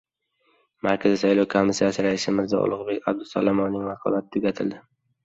Markaziy saylov komissiyasi raisi Mirzo-Ulug‘bek Abdusalomovning vakolati tugatildi